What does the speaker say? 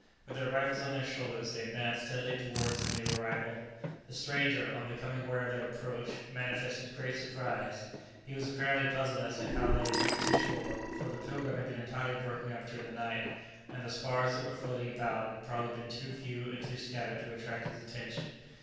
With their rifles on their shoulders, they advanced steadily towards the new arrival. The stranger, on becoming aware of their approach, manifested great surprise; he was apparently puzzled as to how they had reached the shore, for the "Pilgrim" had been entirely broken up during the night, and the spars that were floating about had probably been too few and too scattered to attract his attention.